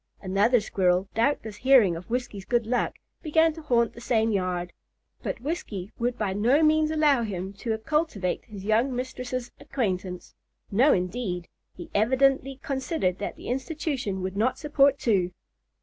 Another squirrel, doubtless hearing of Whiskey's good luck, began to haunt the same yard; but Whiskey would by no means allow him to cultivate his young mistress's acquaintance. No indeed! he evidently considered that the institution would not support two.